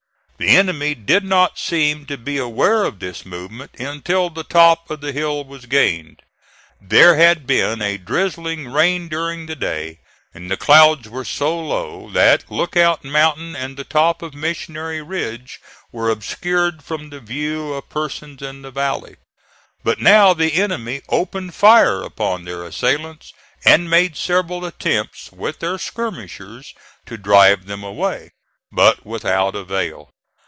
The enemy did not seem to be aware of this movement until the top of the hill was gained. There had been a drizzling rain during the day, and the clouds were so low that Lookout Mountain and the top of Missionary Ridge were obscured from the view of persons in the valley. But now the enemy opened fire upon their assailants, and made several attempts with their skirmishers to drive them away, but without avail.